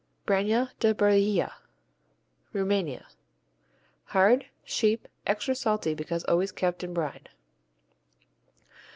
Branja de Brailia Rumania Hard; sheep; extra salty because always kept in brine.